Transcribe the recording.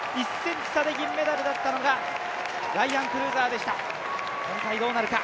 １ｃｍ差で銀メダルだったのがライアン・クルーザーでした、今回どうなるか。